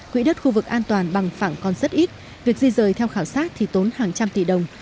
quỹ đất khu vực an toàn bằng phẳng còn rất ít việc di rời theo khảo sát thì tốn hàng trăm tỷ đồng